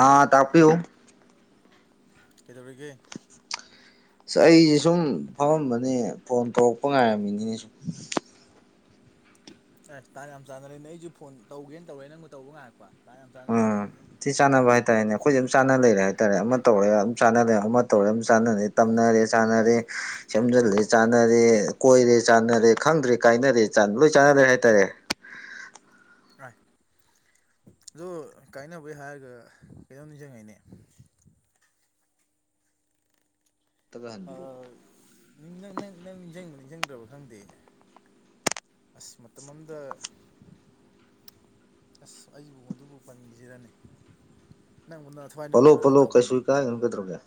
ꯑꯥ ꯇꯥꯛꯄꯤꯌꯨ ꯀꯩꯗꯧꯔꯤꯒꯦ ꯑꯁ ꯑꯩꯁꯦ ꯁꯨꯝ ꯐꯝꯃꯝꯕꯅꯦ ꯐꯣꯟ ꯇꯧꯔꯛꯄ ꯉꯥꯏꯔꯝꯃꯤꯅꯤꯅꯦ ꯁꯨꯝ ꯑꯦꯁ ꯇꯥꯟ ꯌꯥꯝ ꯆꯥꯟꯅꯔꯦꯅꯦ ꯑꯩꯁꯨ ꯐꯣꯟ ꯇꯧꯒꯦꯅ ꯇꯧꯔꯦ ꯅꯪꯖꯨ ꯇꯧꯕ ꯉꯥꯏꯔꯛꯄ ꯇꯥꯟ ꯌꯥꯝ ꯆꯥꯟꯅꯔꯦ ꯁꯤ ꯆꯥꯟꯅꯕ ꯍꯥꯏꯇꯥꯔꯦꯅꯦ ꯑꯩꯈꯣꯏꯁꯦ ꯑꯗꯨꯝ ꯆꯥꯟꯅ ꯂꯩꯔꯦ ꯍꯥꯏꯇꯥꯔꯦ ꯑꯃ ꯇꯧꯔꯦ ꯑꯗꯨꯝ ꯑꯣ ꯆꯥꯟꯅꯔꯦ ꯑꯃ ꯇꯧꯔꯦ ꯑꯗꯨꯝ ꯆꯥꯟꯅꯔꯦ ꯇꯝꯅꯔꯦ ꯑꯣ ꯆꯥꯟꯅꯔꯦ ꯁꯦꯝꯖꯤꯜꯂꯦ ꯑꯣꯍꯣ ꯆꯥꯟ ꯆꯥꯟꯅꯔꯦ ꯀꯣꯏꯔꯦ ꯆꯥꯟꯅꯔꯦ ꯈꯪꯗ꯭ꯔꯦ ꯀꯥꯏꯅꯔꯦ ꯂꯣꯏ ꯆꯥꯟꯅꯔꯦ ꯍꯥꯏꯇꯥꯔꯦ ꯑꯥꯏ ꯑꯗꯣ ꯀꯥꯏꯅꯕꯩ ꯍꯥꯏꯔꯒ ꯀꯩꯩꯅꯣꯝ ꯅꯤꯖꯤꯡꯉꯛꯏꯅꯦ [unintelligible] ꯑꯥ ꯅꯪ ꯅꯪ ꯅꯤꯡꯖꯪꯕ ꯅꯤꯡꯖꯪꯗ꯭ꯔꯕ ꯈꯪꯗꯤꯌꯦ ꯑꯁ ꯃꯇꯝ ꯑꯃꯗ ꯑꯁ ꯑꯩꯁꯤꯕꯨ ꯃꯗꯨꯕꯨ ꯄꯟꯈꯤꯁꯤꯔꯅꯤ ꯅꯪꯉꯣꯟꯗ ꯊꯋꯥꯏ ꯅꯨꯡꯉꯥꯏꯔꯣꯏ ꯇꯧꯕꯅꯤꯅꯦ ꯍꯥꯏꯔꯅꯨ ꯀꯩꯗꯧꯔꯒꯦ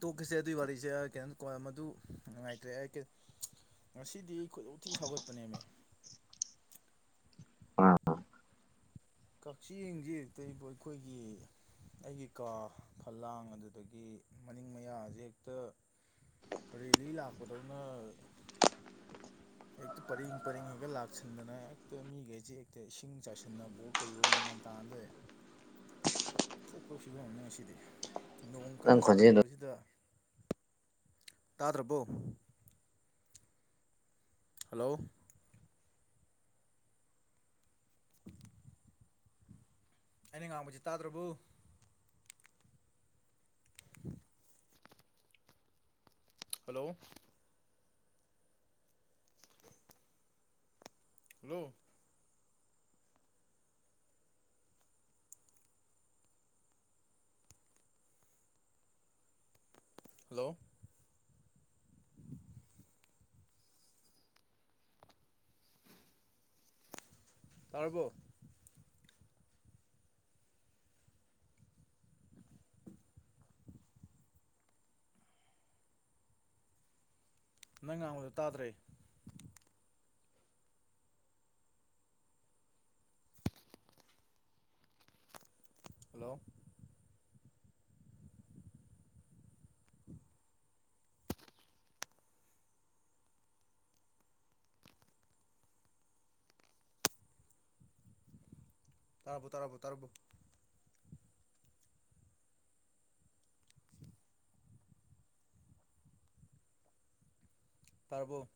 ꯇꯣꯛꯀꯦꯁꯦ ꯑꯗꯨꯏ ꯋꯥꯔꯤꯖꯦ ꯀꯩꯅꯣ ꯀꯣꯟꯅ ꯃꯗꯨ ꯅꯨꯡꯉꯥꯏꯇ꯭ꯔꯦ ꯑꯩ ꯉꯁꯤꯗꯤ ꯈꯣꯏꯗꯧ ꯊꯤ ꯁꯥꯎꯒꯠꯄꯅꯦꯃꯦ ꯑꯥ ꯀꯛꯆꯤꯡꯖꯦ ꯍꯦꯛꯇ ꯏꯕꯣ ꯑꯩꯈꯣꯏꯒꯤ ꯑꯩꯒꯤ ꯀꯥ ꯐꯂꯥꯡ ꯑꯗꯨꯗꯒꯤ ꯃꯅꯤꯡ ꯃꯌꯥꯖꯦ ꯍꯦꯛꯇ ꯔꯦꯜꯂꯤ ꯂꯥꯛꯄꯗꯧꯅ ꯍꯦꯛꯇ ꯄꯔꯦꯡ ꯄꯔꯦꯡ ꯍꯦꯛꯇ ꯂꯥꯛꯁꯟꯗꯅ ꯍꯦꯛꯇ ꯃꯤꯈꯩꯁꯦ ꯍꯦꯛꯇ ꯏꯁꯤꯡ ꯆꯥꯏꯁꯤꯟꯅꯕꯑꯣ ꯀꯩꯒꯣ ꯃꯦꯟꯃꯥꯟ ꯇꯥꯅꯗꯔꯦ ꯏꯊꯣꯛꯄ ꯐꯤꯚꯝ ꯑꯃꯅꯦ ꯉꯁꯤꯗꯤ ꯅꯣꯡ ꯅꯪ ꯀꯟꯅ ꯈꯣꯟꯖꯦꯜꯗꯣ ꯆꯨꯈꯠꯂꯛꯄꯁꯤꯗ ꯇꯥꯗ꯭ꯔꯕꯣ ꯍꯜꯂꯣ ꯑꯩꯅ ꯉꯥꯡꯕꯁꯤ ꯇꯥꯗ꯭ꯔꯕꯨ [unintelligible] ꯍꯜꯂꯣ ꯍꯜꯂꯣ ꯍꯜꯂꯣ ꯇꯥꯔꯕꯣ [unintelligible] [inaudible] ꯅꯪ ꯉꯥꯡꯕꯗꯣ ꯇꯥꯗ꯭ꯔꯦ [unintelligible] [inaudible] ꯍꯜꯂꯣ ꯇꯥꯔꯕꯣ ꯇꯥꯔꯕꯣ ꯇꯥꯔꯕꯣ [unintelligible] [inaudible] ꯇꯥꯔꯕꯣ